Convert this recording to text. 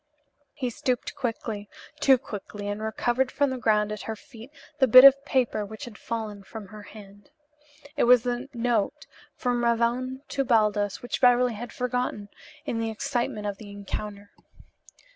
He stooped quickly too quickly and recovered from the ground at her feet the bit of paper which had fallen from her hand. It was the note from Ravone to Baldos which Beverly had forgotten in the excitement of the encounter.